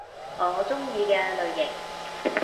我鍾意嘅類型